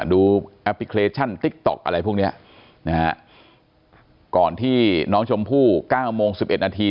ดูแอปพลิเคชันติ๊กต๊อกอะไรพวกเนี้ยนะฮะก่อนที่น้องชมพู่๙โมง๑๑นาที